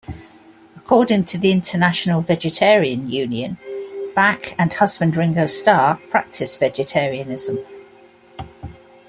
According to the International Vegetarian Union, Bach and husband Ringo Starr practice vegetarianism.